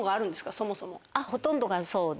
そもそも。ほとんどがそうで。